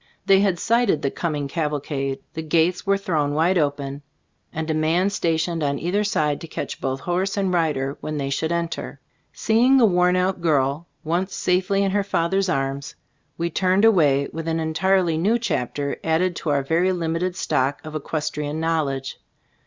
They had sighted the coming cavalcade. The gates were thrown wide open, and a man stationed on either side to catch both horse and rider when they should enter. Seeing the worn out girl once safely in her father's arms, we turned away, with an entirely new chapter added to our very limited stock of equestrian knowledge.